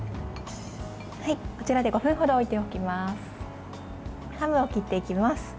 こちらで５分ほど置いておきます。